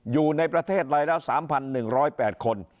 อยู่ในประเทศไทยแล้ว๓๑๐๘คน